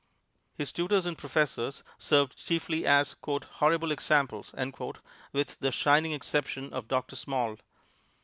His tutors and professors served chiefly as "horrible examples," with the shining exception of Doctor Small.